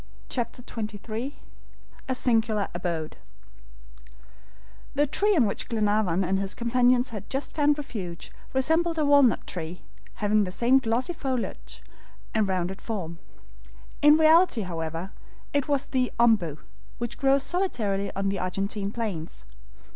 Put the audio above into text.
CHAPTER XXIII A SINGULAR ABODE THE tree on which Glenarvan and his companions had just found refuge, resembled a walnut tree, having the same glossy foliage and rounded form. In reality, however, it was the OMBU, which grows solitarily on the Argentine plains.